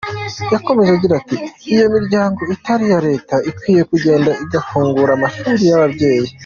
Yakomeje agira ati "Iyo miryango itari iya leta ikwiye kugenda igafungura amashuri y’ababyeyi.